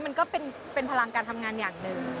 มันก็เป็นพลังการทำงานอย่างหนึ่ง